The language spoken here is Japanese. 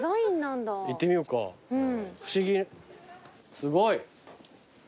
すごい。